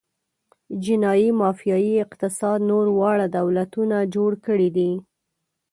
جنايي مافیايي اقتصاد نور واړه دولتونه جوړ کړي دي.